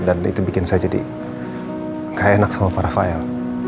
dan itu bikin saya jadi gak enak sama para vial